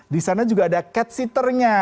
disana juga ada cat sitternya